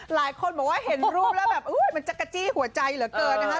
หลายคนบอกว่าเห็นรูปแล้วแบบมันจักรจี้หัวใจเหลือเกินนะคะ